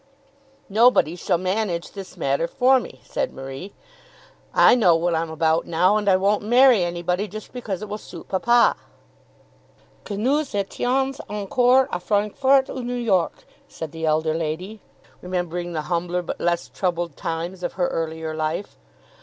"Nobody shall manage this matter for me," said Marie. "I know what I'm about now, and I won't marry anybody just because it will suit papa." "Que nous étions encore à Francfort, ou New York," said the elder lady, remembering the humbler but less troubled times of her earlier life.